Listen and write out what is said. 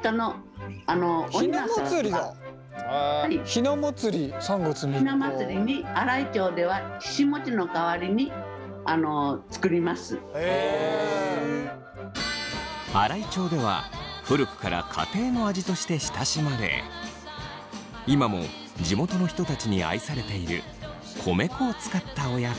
ひな祭りに新居町では新居町では古くから家庭の味として親しまれ今も地元の人たちに愛されている米粉を使ったおやつ。